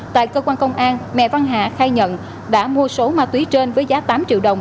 tại cơ quan công an mẹ văn hà khai nhận đã mua số ma túy trên với giá tám triệu đồng